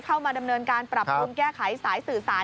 เข้ามาดำเนินการปรับปรุงแก้ไขสายสื่อสาร